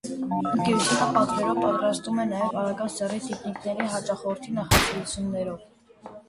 Ընկերությունը պատվերով պատրաստում է նաև արական սեռի տիկնիկներ հաճախորդի նախասիրություններով։